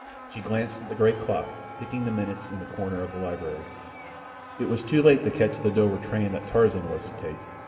She glanced at the great clock ticking the minutes in the corner of the library. It was too late to catch the Dover train that Tarzan was to take.